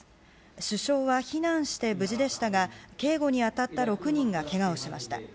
首相は避難して無事でしたが警護に当たった６人がけがをしました。